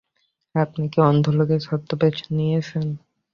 আপনি কি অন্ধ লোকের ছদ্মবেশ নিয়েছেন?